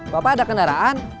bapak ada kendaraan